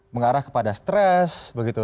mengarah kepada stres begitu